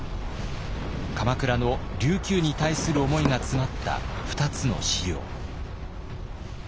鎌倉の琉球に対する思いが詰まった２つの資料。